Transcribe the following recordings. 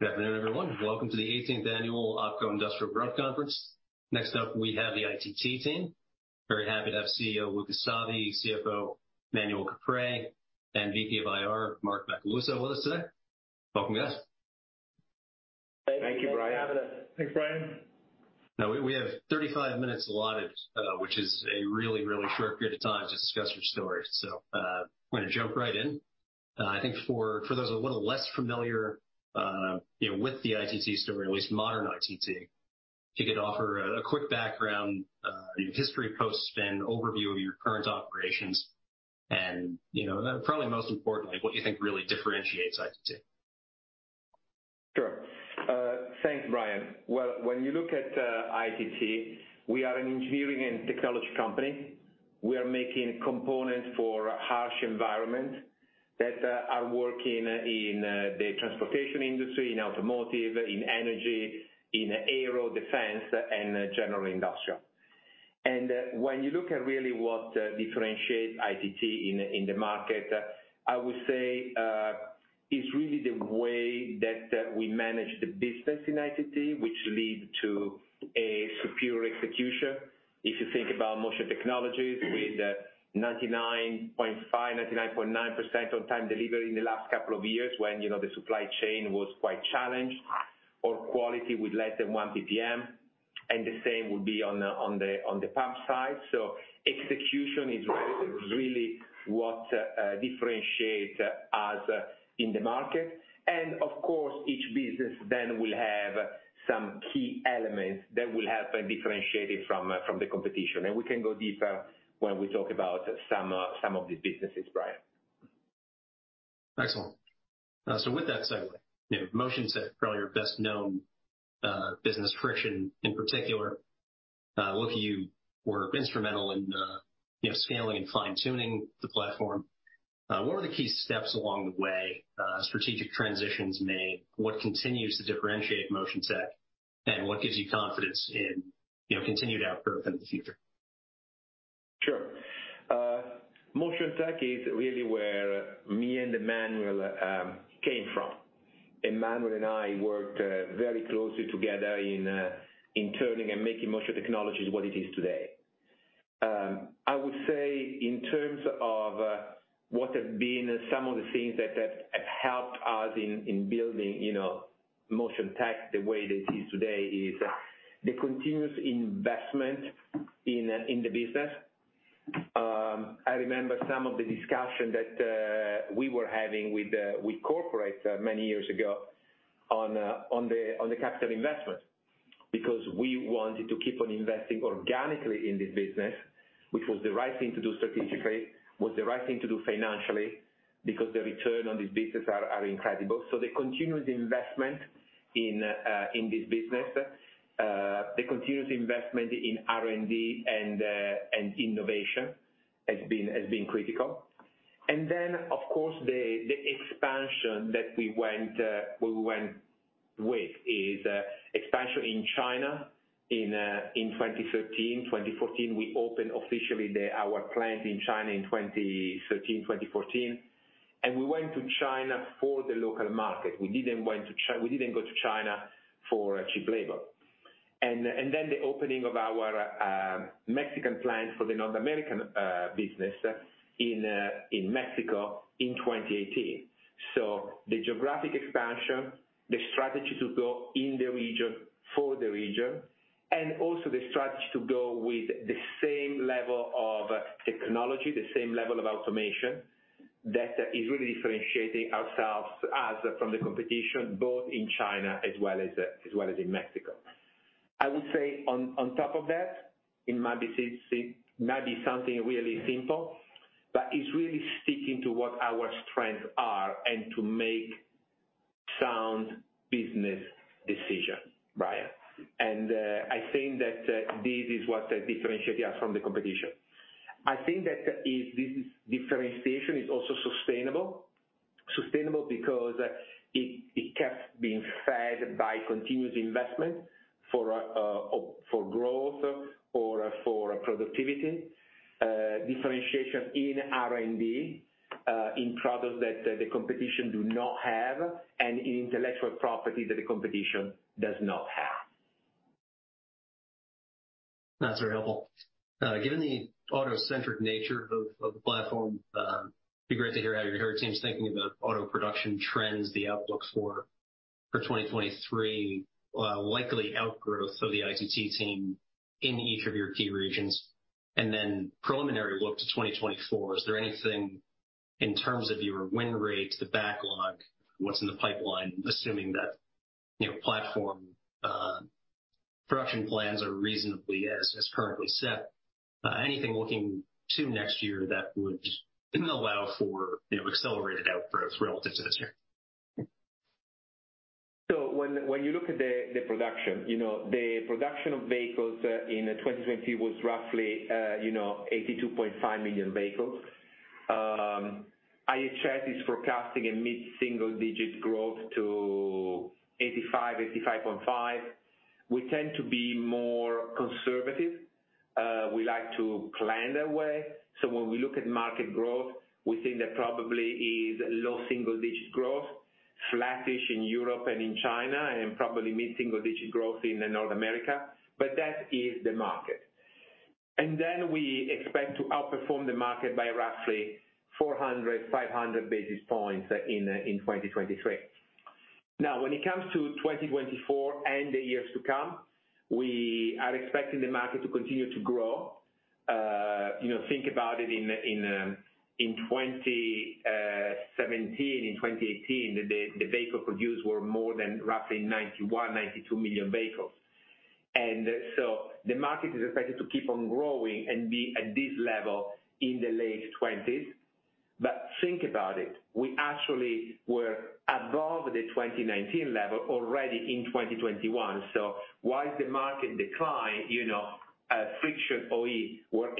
Good afternoon, everyone. Welcome to the 18th annual OpCo Industrial Growth Conference. Next up, we have the ITT team. Very happy to have CEO Luca Savi, CFO Emmanuel Caprais, and VP of IR Mark Macaluso with us today. Welcome, guys. Thank you, Brian. Thanks for having us. We have 35 minutes allotted, which is a really, really short period of time to discuss your story. I'm gonna jump right in. I think for those a little less familiar, you know, with the ITT story, at least modern ITT, if you could offer a quick background, you know, history post and overview of your current operations, and, you know, probably most importantly, what you think really differentiates ITT. Sure. Thanks, Brian. Well, when you look at ITT, we are an engineering and technology company. We are making components for harsh environments that are working in the transportation industry, in automotive, in energy, in aero defense, and general industrial. When you look at really what differentiates ITT in the market, I would say, it's really the way that we manage the business in ITT, which lead to a superior execution. If you think about Motion Technologies with 99.5%, 99.9% on-time delivery in the last couple of years when, you know, the supply chain was quite challenged, or quality with less than 1 PPM, and the same would be on the pump side. Execution is really what differentiates us in the market. Of course, each business then will have some key elements that will help differentiate it from the competition. We can go deeper when we talk about some of the businesses, Brian. Excellent. With that segue, you know, Motion Tech probably your best known, business Friction in particular. Luca, you were instrumental in, you know, scaling and fine-tuning the platform. What were the key steps along the way, strategic transitions made? What continues to differentiate Motion Tech, and what gives you confidence in, you know, continued outgrowth in the future? Sure. Motion Tech is really where me and Manuel came from. Manuel and I worked very closely together in turning and making Motion Technologies what it is today. I would say in terms of what have been some of the things that have helped us in building, you know, Motion Tech the way that is today is the continuous investment in the business. I remember some of the discussion that we were having with corporate many years ago on the capital investment, because we wanted to keep on investing organically in this business, which was the right thing to do strategically, was the right thing to do financially, because the return on this business are incredible. The continuous investment in this business, the continuous investment in R&D and innovation has been critical. Of course, the expansion that we went, we went with is expansion in China in 2013, 2014. We opened officially our plant in China in 2013, 2014. We went to China for the local market. We didn't go to China for cheap labor. The opening of our Mexican plant for the North American business in Mexico in 2018. The geographic expansion, the strategy to go in the region for the region, and also the strategy to go with the same level of technology, the same level of automation that is really differentiating ourselves, us from the competition, both in China as well as in Mexico. I would say on top of that, it might be something really simple, but it's really sticking to what our strengths are and to make sound business decisions, Brian. I think that this is what differentiates us from the competition. I think that this differentiation is also sustainable. Sustainable because it kept being fed by continuous investment for growth or for productivity, differentiation in R&D, in products that the competition do not have and in intellectual property that the competition does not have. That's very helpful. Given the auto-centric nature of the platform, it'd be great to hear how your team's thinking about auto production trends, the outlooks for 2023, likely outgrowth of the ITT team in each of your key regions. Then preliminary look to 2024, is there anything in terms of your win rate, the backlog, what's in the pipeline, assuming that, you know, platform production plans are reasonably as currently set, anything looking to next year that would allow for, you know, accelerated outgrowth relative to this year? When you look at the production, you know, the production of vehicles in 2020 was roughly 82.5 million vehicles. IHS is forecasting a mid-single digit growth to 85.5 million. We tend to be more conservative. We like to plan our way, when we look at market growth, we think that probably is low single digit growth, flattish in Europe and in China, and probably mid-single digit growth in North America. That is the market. We expect to outperform the market by roughly 400-500 basis points in 2023. When it comes to 2024 and the years to come, we are expecting the market to continue to grow. you know, think about it in 2017 and 2018, the vehicle produced were more than roughly 91 million, 92 million vehicles. The market is expected to keep on growing and be at this level in the late 20s. Think about it, we actually were above the 2019 level already in 2021. Why is the market decline, you know, Friction OE were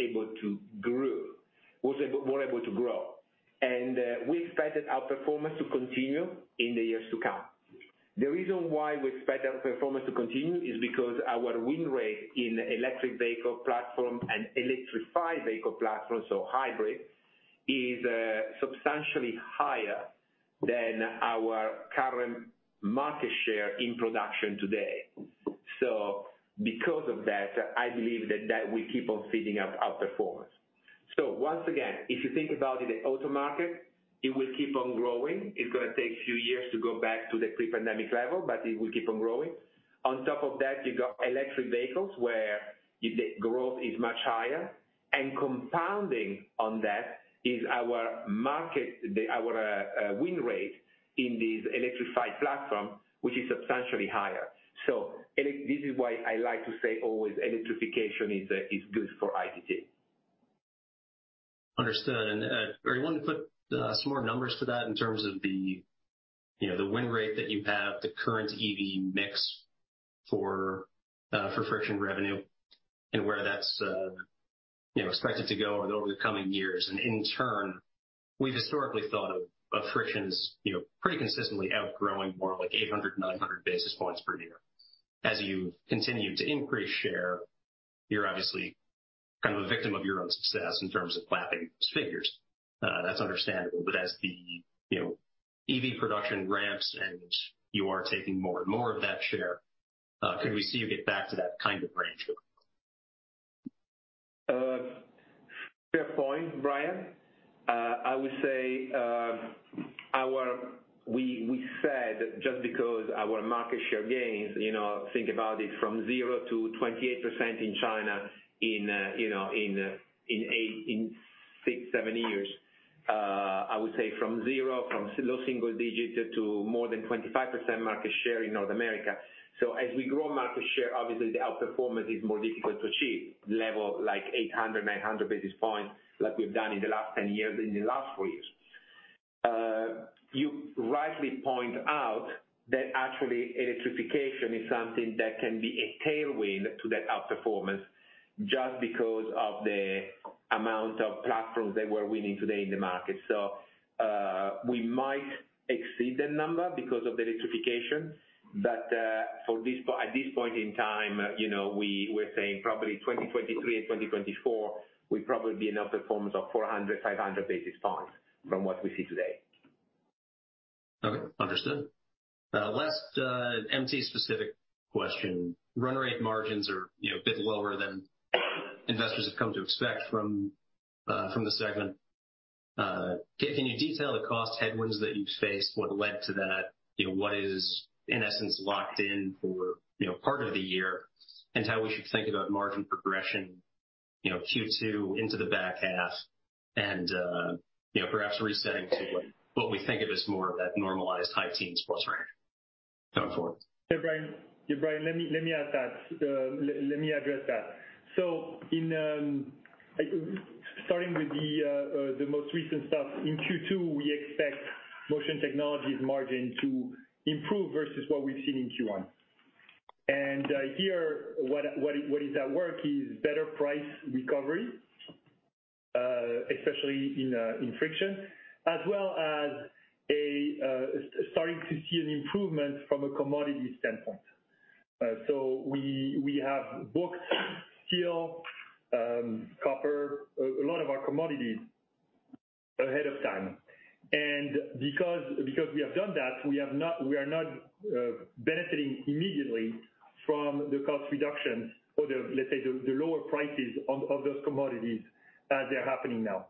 able to grow, and we expected our performance to continue in the years to come. The reason why we expect our performance to continue is because our win rate in electric vehicle platform and electrified vehicle platforms or hybrid is substantially higher than our current market share in production today. Because of that, I believe that will keep on feeding our performance. Once again, if you think about it, the auto market, it will keep on growing. It's gonna take a few years to go back to the pre-pandemic level, but it will keep on growing. On top of that, you've got electric vehicles where the growth is much higher. Compounding on that is our market, our win rate in these electrified platform, which is substantially higher. This is why I like to say always electrification is good for ITT. Understood. Are you willing to put some more numbers to that in terms of the, you know, the win rate that you have, the current EV mix for Friction revenue and where that's, you know, expected to go over the coming years? In turn, we've historically thought of Friction's, you know, pretty consistently outgrowing more like 800-900 basis points per year. As you continue to increase share, you're obviously kind of a victim of your own success in terms of lapping those figures. That's understandable. As the, you know, EV production ramps and you are taking more and more of that share, could we see you get back to that kind of range? Fair point, Brian. I would say we said just because our market share gains, you know, think about it from 0% to 28% in China in, you know, in six, seven years, I would say from zero, from low single digits to more than 25% market share in North America. As we grow market share, obviously the outperformance is more difficult to achieve level like 800, 900 basis points like we've done in the last 10 years, in the last four years. You rightly point out that actually electrification is something that can be a tailwind to that outperformance just because of the amount of platforms that we're winning today in the market. We might exceed the number because of the electrification, but, for this at this point in time, you know, we're saying probably 2023 and 2024 will probably be an outperformance of 400, 500 basis points from what we see today. Okay, understood. Last MT specific question. Run rate margins are, you know, a bit lower than investors have come to expect from the segment. Can you detail the cost headwinds that you faced, what led to that? You know, what is in essence locked in for, you know, part of the year, and how we should think about margin progression, you know, Q2 into the back half and, you know, perhaps resetting to what we think of as more of that normalized high teens plus range going forward. Yeah, Brian, let me add that. Let me address that. In starting with the most recent stuff, in Q2, we expect Motion Technologies margin to improve versus what we've seen in Q1. Here what is at work is better price recovery, especially in Friction, as well as a starting to see an improvement from a commodity standpoint. We have booked steel, copper, a lot of our commodities ahead of time. Because we have done that, we are not benefiting immediately from the cost reductions or the, let's say, the lower prices of those commodities as they're happening now.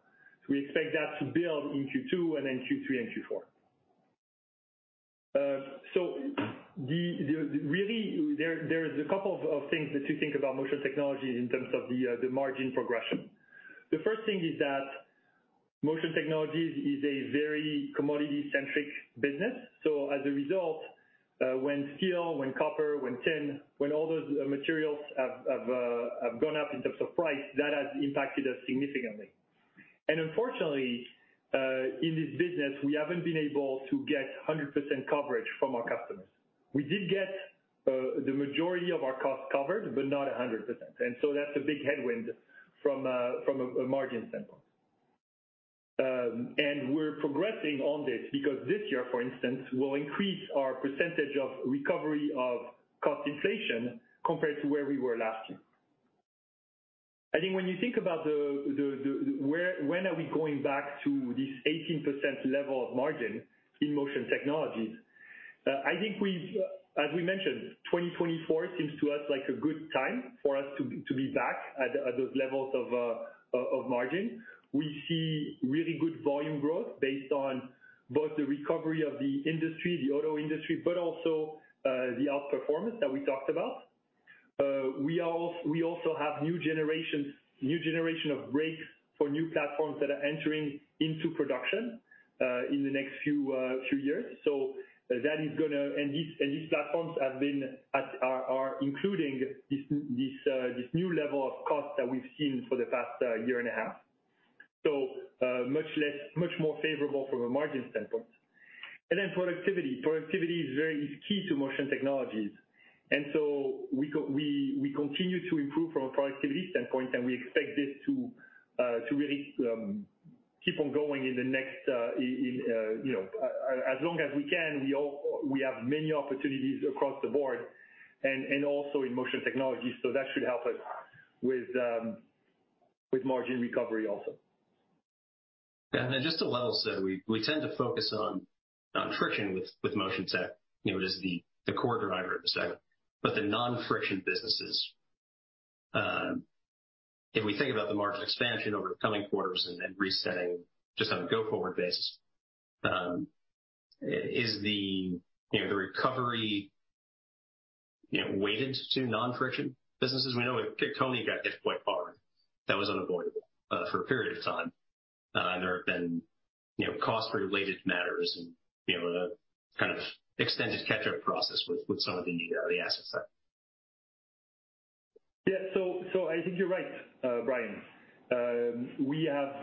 We expect that to build in Q2 and then Q3 and Q4. The really, there's a couple of things to think about Motion Technologies in terms of the margin progression. The first thing is that Motion Technologies is a very commodity centric business. As a result, when steel, when copper, when tin, when all those materials have gone up in terms of price, that has impacted us significantly. Unfortunately, in this business, we haven't been able to get 100% coverage from our customers. We did get the majority of our costs covered, but not 100%. That's a big headwind from a margin standpoint. We're progressing on this because this year, for instance, we'll increase our percentage of recovery of cost inflation compared to where we were last year. I think when you think about when are we going back to this 18% level of margin in Motion Technologies, as we mentioned, 2024 seems to us like a good time for us to be back at those levels of margin. We see really good volume growth based on both the recovery of the industry, the auto industry, but also the outperformance that we talked about. We also have new generation of brakes for new platforms that are entering into production in the next few years. That is gonna. These platforms are including this new level of cost that we've seen for the past year and a half. Much more favorable from a margin standpoint. Productivity. Productivity is key to Motion Technologies. We continue to improve from a productivity standpoint, and we expect this to really keep on going in the next, in, you know, as long as we can. We have many opportunities across the board and also in Motion Technologies, so that should help us with margin recovery also. Just to level, we tend to focus on Friction with Motion Tech, you know, as the core driver of the segment. The non-Friction businesses, if we think about the margin expansion over the coming quarters and resetting just on a go-forward basis, is the, you know, the recovery, you know, weighted to non-Friction businesses? We know with KONI got hit quite hard. That was unavoidable for a period of time. There have been, you know, cost-related matters and, you know, the kind of extended catch-up process with the assets there. I think you're right, Brian. We have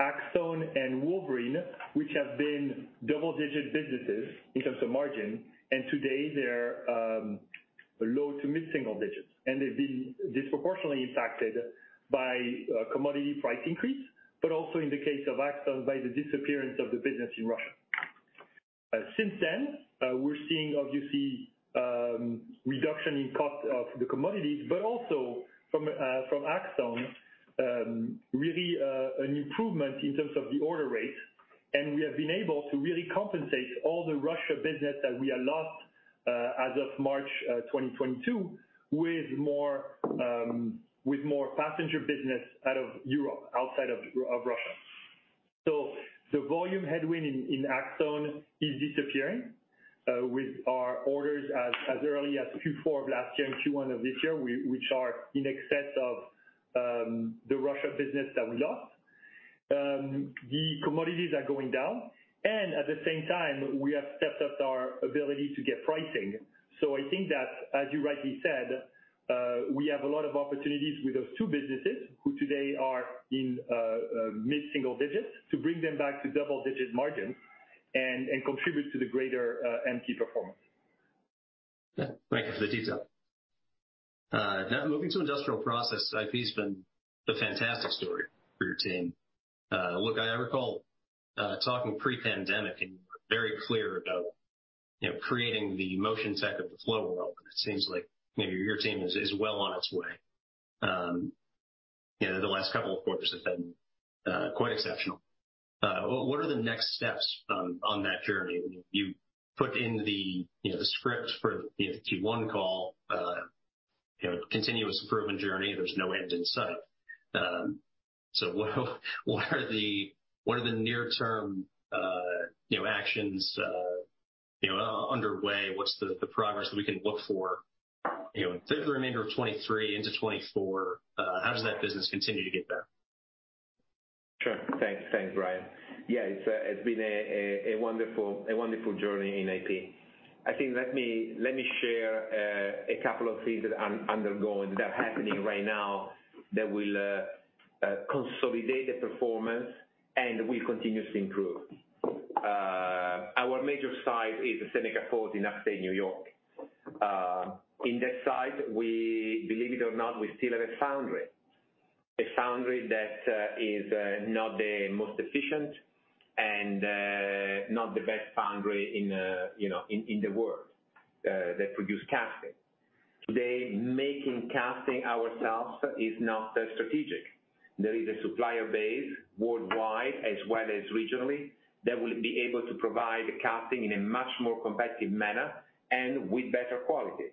Axtone and Wolverine, which have been double-digit businesses in terms of margin, and today they're low to mid-single-digits. They've been disproportionately impacted by commodity price increase, but also in the case of Axtone, by the disappearance of the business in Russia. Since then, we're seeing obviously reduction in cost of the commodities, but also from Axtone, really an improvement in terms of the order rates. We have been able to really compensate all the Russia business that we had lost as of March 2022, with more passenger business out of Europe, outside of Russia. The volume headwind in Axtone is disappearing, with our orders as early as Q4 of last year and Q1 of this year, which are in excess of the Russia business that we lost. The commodities are going down, and at the same time, we have stepped up our ability to get pricing. I think that, as you rightly said, we have a lot of opportunities with those two businesses who today are in mid-single digits to bring them back to double-digit margins and contribute to the greater MT performance. Yeah. Thank you for the detail. Now moving to Industrial Process, IP's been a fantastic story for your team. Luca, I recall, talking pre-pandemic, and you were very clear about, you know, creating the Motion Tech of the flow world. It seems like maybe your team is well on its way. You know, the last couple of quarters have been quite exceptional. What are the next steps on that journey? You put in, you know, the script for, you know, Q1 call, you know, continuous improvement journey, there's no end in sight. What are the near-term, you know, actions, you know, underway? What's the progress that we can look for, you know, through the remainder of 2023 into 2024? How does that business continue to get better? Sure. Thanks, Brian. Yeah, it's been a wonderful journey in IP. I think let me share a couple of things that I'm undergoing that are happening right now that will consolidate the performance and will continue to improve. Our major site is the Seneca Falls in Upstate New York. In that site, we believe it or not, we still have a foundry. A foundry that is not the most efficient and not the best foundry in, you know, in the world that produce casting. Today, making casting ourselves is not that strategic. There is a supplier base worldwide as well as regionally that will be able to provide the casting in a much more competitive manner and with better quality.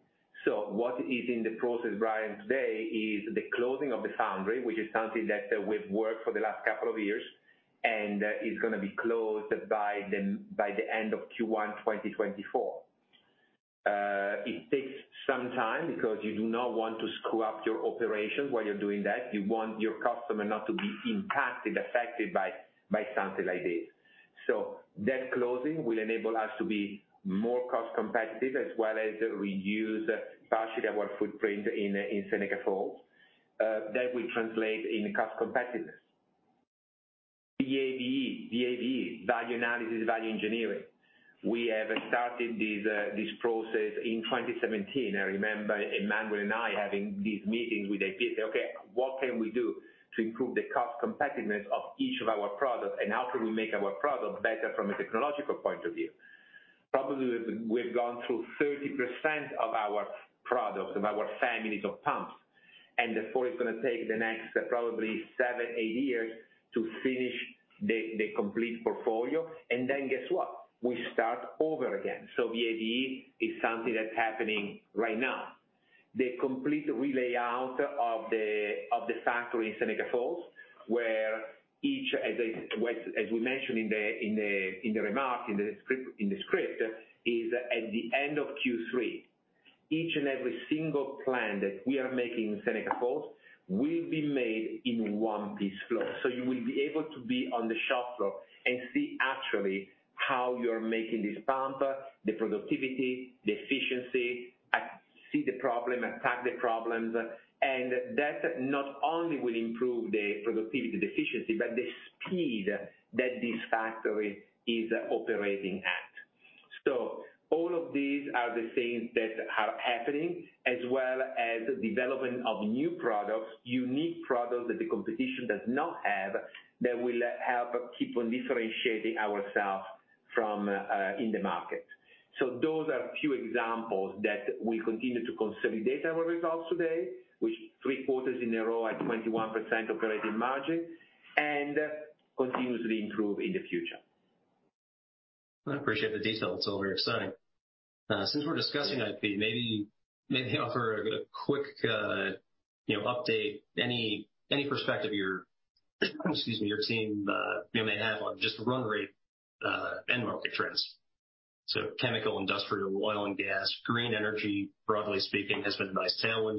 What is in the process, Brian, today is the closing of the foundry, which is something that we've worked for the last couple of years, and it's gonna be closed by the end of Q1 2024. It takes some time because you do not want to screw up your operations while you're doing that. You want your customer not to be impacted, affected by something like this. That closing will enable us to be more cost competitive as well as reduce partially our footprint in Seneca Falls. That will translate in cost competitiveness. VAVE, value analysis, value engineering. We have started this process in 2017. I remember Emmanuel and I having these meetings with AP, say, "Okay, what can we do to improve the cost competitiveness of each of our products, and how can we make our products better from a technological point of view?" Probably we've gone through 30% of our products, of our families of pumps, therefore it's gonna take the next probably seven, eight years to finish the complete portfolio. Guess what? We start over again. VAD is something that's happening right now. The complete re-layout of the factory in Seneca Falls, where each, as we mentioned in the remarks, in the script, is at the end of Q3. Each and every single plan that we are making in Seneca Falls will be made in one-piece flow. You will be able to be on the shop floor and see actually how you're making this pump, the productivity, the efficiency, see the problem, attack the problems, and that not only will improve the productivity, the efficiency, but the speed that this factory is operating at. All of these are the things that are happening, as well as development of new products, unique products that the competition does not have, that will help keep on differentiating ourselves from in the market. Those are few examples that we continue to consolidate our results today, which three quarters in a row at 21% operating margin and continuously improve in the future. I appreciate the detail. It's all very exciting. Since we're discussing IP, maybe offer a quick, you know, update, any perspective your, excuse me, your team, you know, may have on just run rate, and market trends. Chemical, industrial, oil and gas, green energy, broadly speaking, has been a nice tailwind,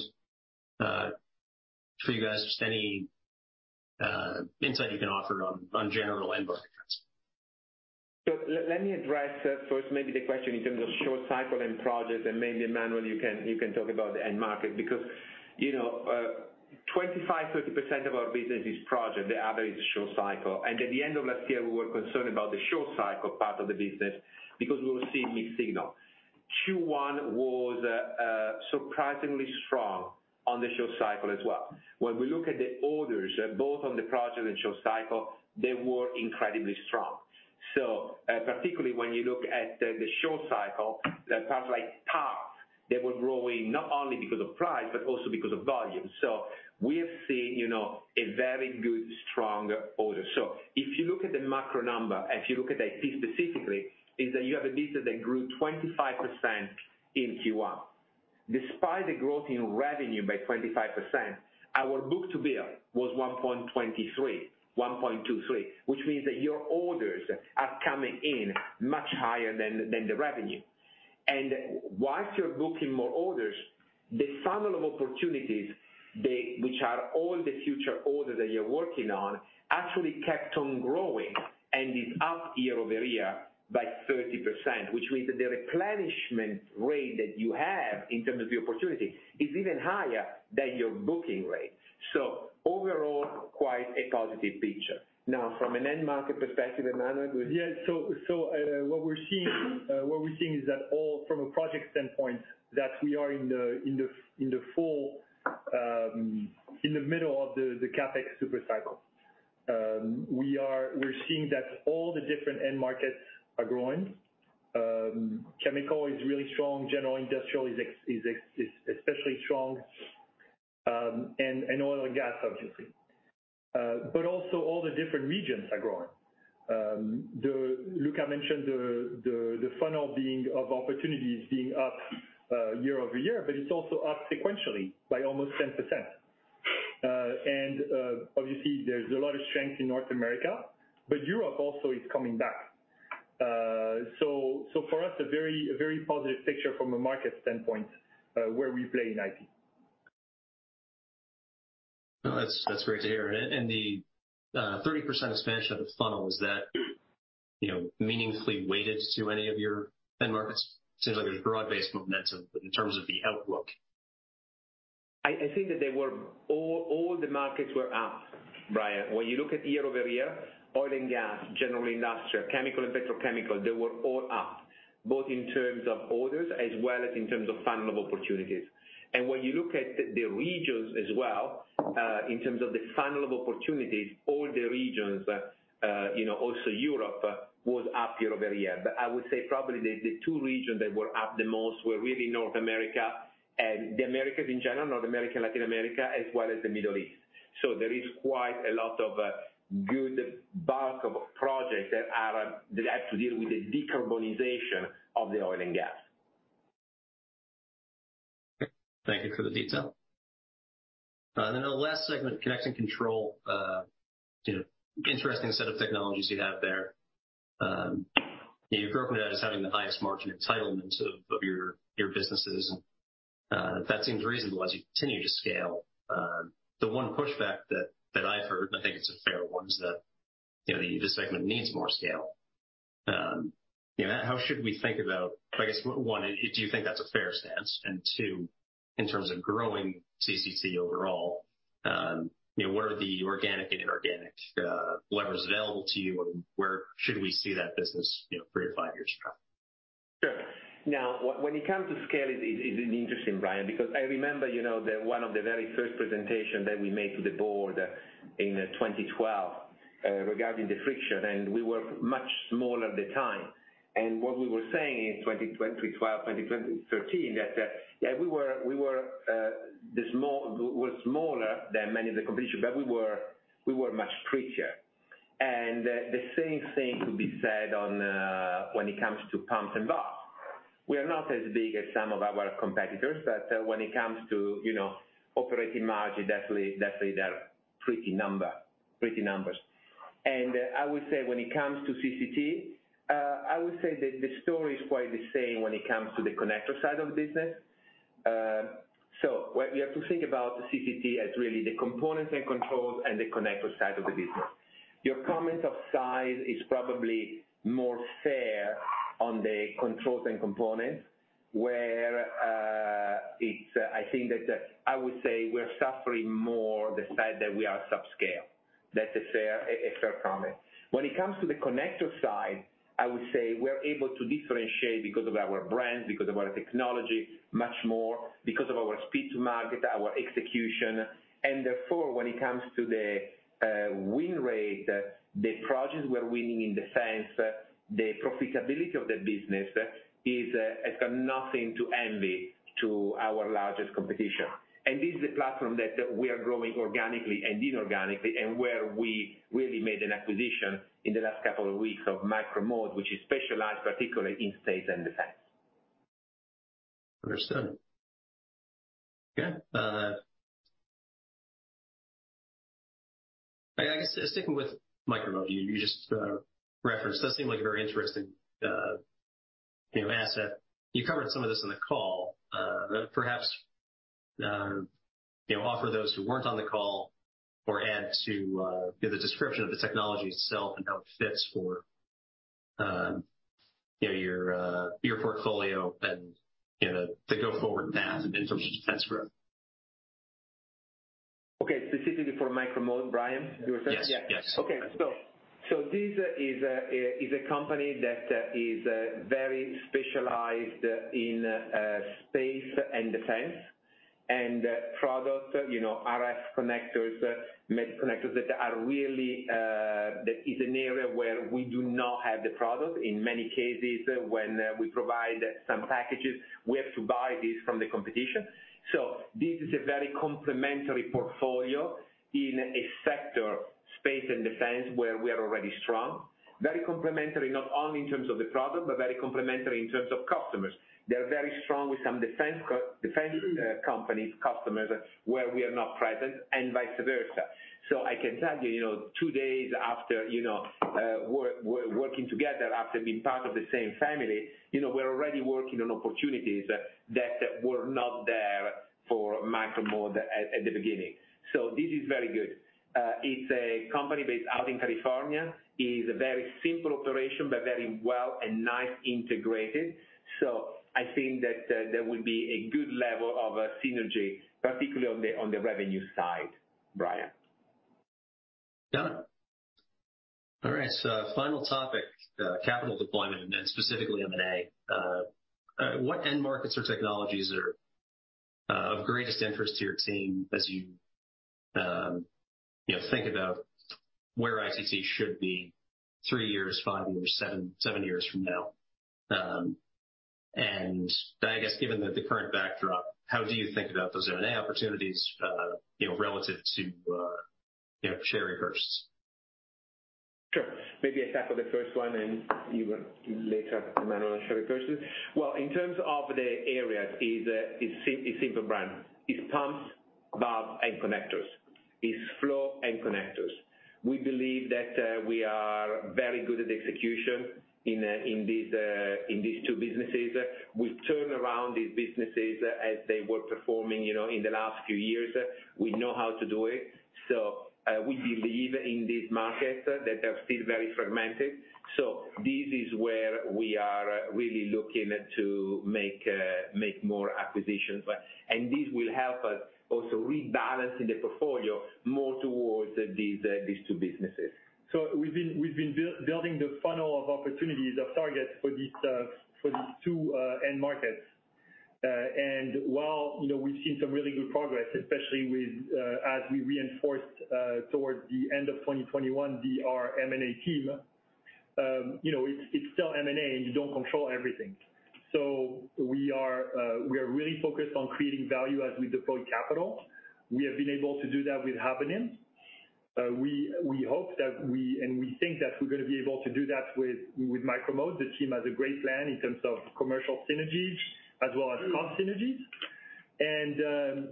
for you guys. Just any insight you can offer on general end market trends. Let me address first maybe the question in terms of short cycle and projects, and maybe Emmanuel, you can talk about the end market because, you know, 25%, 30% of our business is project, the other is short cycle. At the end of last year, we were concerned about the short cycle part of the business because we were seeing mixed signals. Q1 was surprisingly strong on the short cycle as well. When we look at the orders, both on the project and short cycle, they were incredibly strong. Particularly when you look at the short cycle, the parts like taps, they were growing not only because of price, but also because of volume. We have seen, you know, a very good strong order. If you look at the macro number, and if you look at IP specifically, is that you have a business that grew 25% in Q1. Despite the growth in revenue by 25%, our book-to-bill was 1.23, which means that your orders are coming in much higher than the revenue. Whilst you're booking more orders, the funnel of opportunities, which are all the future orders that you're working on, actually kept on growing and is up year-over-year by 30%, which means that the replenishment rate that you have in terms of the opportunity is even higher than your booking rate. Overall, quite a positive picture. From an end market perspective, Emmanuel, go ahead. Yeah. So, what we're seeing is that all from a project standpoint, that we are in the full, in the middle of the capex supercycle. We're seeing that all the different end markets are growing. Chemical is really strong, general industrial is especially strong, and oil and gas, obviously. Also all the different regions are growing. The... Luca mentioned the funnel being of opportunities being up, year-over-year, but it's also up sequentially by almost 10%. Obviously there's a lot of strength in North America, but Europe also is coming back. For us, a very, a very positive picture from a market standpoint, where we play in IP. No, that's great to hear. The 30% expansion of the funnel is that, you know, meaningfully weighted to any of your end markets? Seems like there's broad-based momentum in terms of the outlook. I think that they were all the markets were up, Brian. When you look at year-over-year, oil and gas, general industrial, chemical and petrochemical, they were all up, both in terms of orders as well as in terms of funnel of opportunities. When you look at the regions as well, in terms of the funnel of opportunities, all the regions, you know, also Europe was up year-over-year. I would say probably the two regions that were up the most were really North America and the Americas in general, North America and Latin America, as well as the Middle East. There is quite a lot of good bulk of projects that have to deal with the decarbonization of the oil and gas. Thank you for the detail. Then the last segment, Connect and Control, you know, interesting set of technologies you have there. You've grown from that as having the highest margin entitlement of your businesses. That seems reasonable as you continue to scale. The one pushback that I've heard, and I think it's a fair one, is that, you know, the segment needs more scale. You know, how should we think about, I guess, One. do you think that's a fair stance? Two. In terms of growing CCT overall, you know, what are the organic and inorganic levers available to you, and where should we see that business, you know, three-five years from now? Sure. Now, when it comes to scale, it is interesting, Brian, because I remember, you know, the one of the very first presentation that we made to the board in 2012 regarding the Friction, and we were much smaller at the time. What we were saying in 2012, 2013, that, yeah, we were smaller than many of the competition, but we were much richer. The same thing could be said on when it comes to pumps and valves. We are not as big as some of our competitors, but when it comes to, you know, operating margin, definitely they are pretty numbers. I would say when it comes to CCT, I would say that the story is quite the same when it comes to the connector side of the business. What we have to think about CCT as really the components and controls and the connector side of the business. Your comment of size is probably more fair on the controls and components, where, I would say we're suffering more the side that we are subscale. That's a fair comment. When it comes to the connector side, I would say we're able to differentiate because of our brands, because of our technology much more, because of our speed to market, our execution. Therefore, when it comes to the win rate, the projects we're winning in the sense the profitability of the business has got nothing to envy to our largest competition. This is a platform that we are growing organically and inorganically, and where we really made an acquisition in the last couple of weeks of Micro-Mode, which is specialized particularly in space and defense. Understood. Okay. I guess sticking with Micro-Mode, you just referenced. Does seem like a very interesting, you know, asset. You covered some of this in the call, perhaps, you know, offer those who weren't on the call or add to, you know, the description of the technology itself and how it fits for, you know, your portfolio and, you know, the go forward path in terms of defense growth. Okay. Specifically for Micro-Mode, Brian, you were saying? Yes. Yes. Okay. This is a company that is very specialized in space and defense, and products, you know, RF connectors that are really an area where we do not have the product. In many cases, when we provide some packages, we have to buy these from the competition. This is a very complementary portfolio in a sector, space and defense, where we are already strong. Very complementary, not only in terms of the product, but very complementary in terms of customers. They're very strong with some defense companies, customers where we are not present, and vice versa. I can tell you know, two days after, you know, we're working together after being part of the same family, you know, we're already working on opportunities that were not there for Micro-Mode at the beginning. This is very good. It's a company based out in California. It is a very simple operation, but very well and nice integrated. I think that, there will be a good level of, synergy, particularly on the, on the revenue side, Brian. Got it. All right. Final topic, capital deployment and specifically M&A. What end markets or technologies are of greatest interest to your team as you know, think about where ITT should be three years, five years, seven years from now? I guess given the current backdrop, how do you think about those M&A opportunities, you know, relative to, you know, share repurchases? Sure. Maybe I start with the first one and you later, Emmanuel, on share repurchases. In terms of the areas, is, it's simple, Brian. It's pumps, valves, and connectors. It's flow and connectors. We believe that we are very good at execution in these two businesses. We've turned around these businesses as they were performing, you know, in the last few years. We know how to do it. We believe in these markets that are still very fragmented. This is where we are really looking to make more acquisitions. This will help us also rebalance in the portfolio more towards these two businesses. We've been building the funnel of opportunities of targets for these two end markets. While, you know, we've seen some really good progress, especially with, as we reinforced, towards the end of 2021, our M&A team, you know, it's still M&A and you don't control everything. We are really focused on creating value as we deploy capital. We have been able to do that with Habonim. We hope that we and we think that we're gonna be able to do that with Micro-Mode. The team has a great plan in terms of commercial synergies as well as cost synergies.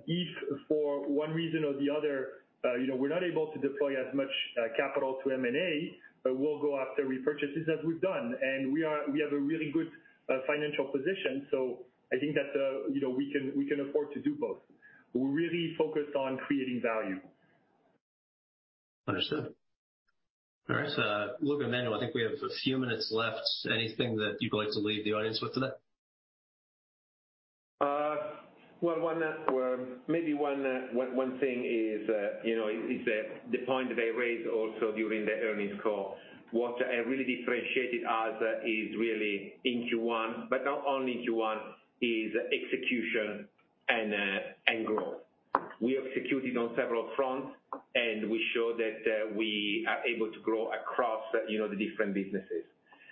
If for one reason or the other, you know, we're not able to deploy as much capital to M&A, we'll go after repurchases as we've done. We have a really good financial position. I think that, you know, we can, we can afford to do both. We're really focused on creating value. Understood. All right. Luca, Emmanuel, I think we have a few minutes left. Anything that you'd like to leave the audience with today? Uh, well, one, uh, well, maybe one, uh, one thing is, uh, you know, is that the point that I raised also during the earnings call, what, uh, really differentiated us is really in Q1, but not only Q1, is execution and, uh, and growth. We executed on several fronts, and we showed that, uh, we are able to grow across, you know, the different businesses.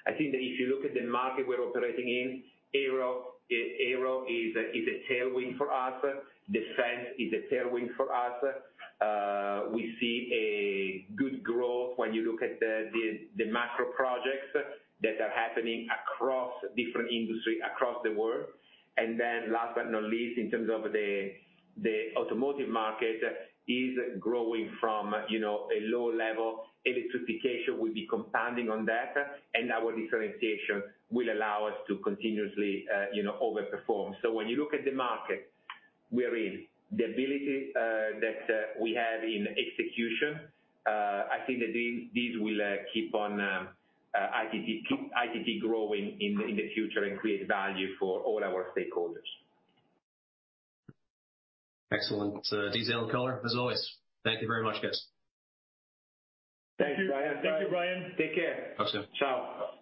I think that if you look at the market we're operating in, aero, uh, aero is a, is a tailwind for us. Defense is a tailwind for us. Uh, we see a good growth when you look at the, the, the macro projects that are happening across different industry across the world. And then last but not least, in terms of the, the automotive market is growing from, you know, a low level. Electrification will be compounding on that. Our differentiation will allow us to continuously, you know, overperform. When you look at the market we're in, the ability that we have in execution, I think that this will keep on ITT growing in the future and create value for all our stakeholders. Excellent. Detailed color, as always. Thank Thank you very much, guys. Thanks, Brian. Thank you, Brian. Take care. Talk soon. Ciao.